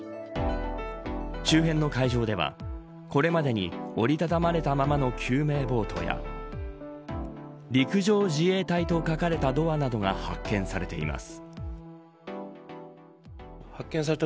周辺の海上ではこれまでに折り畳まれたままの救命ボートや陸上自衛隊と書かれたドアなどが発見されています。